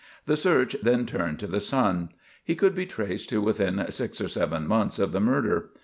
The search then turned to the son. He could be traced to within six or seven months of the murder.